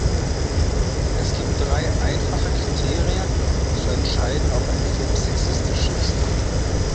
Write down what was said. Es gibt drei einfache Kriterien, um zu entscheiden, ob ein Film sexistisch ist.